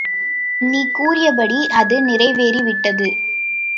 நீ கூறியபடி அது நிறைவேறி விட்டது.